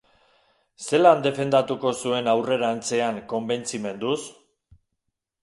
Zelan defendatuko zuen aurrerantzean konbentzimenduz?